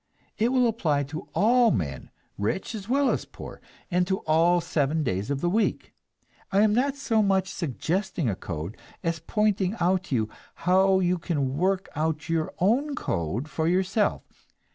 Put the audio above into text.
It will apply to all men, rich as well as poor, and to all seven days of the week. I am not so much suggesting a code, as pointing out to you how you can work out your own code for yourself.